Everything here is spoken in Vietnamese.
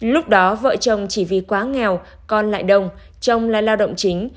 lúc đó vợ chồng chỉ vì quá nghèo con lại đông chồng là lao động chính